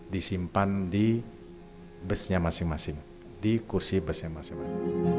disimpan di busnya masing masing di kursi busnya masing masing